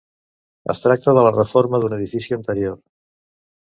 Es tracta de la reforma d'un edifici anterior.